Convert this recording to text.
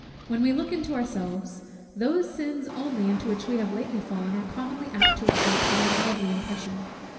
When we look into ourselves, those sins only, into which we have lately fallen, are commonly apt to excite any lively impression.